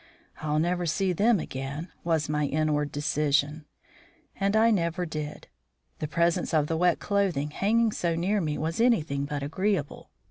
"I'll never see them again," was my inward decision. And I never did. The presence of the wet clothing hanging so near me was anything but agreeable.